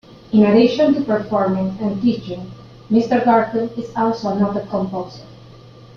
In addition to performing and teaching, Mr. Garfield is also a noted composer.